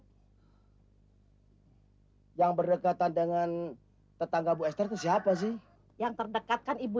hai yang berdekatan dengan tetangga bu esther siapa sih yang terdekatkan ibu